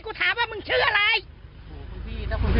ดูสินี่นี่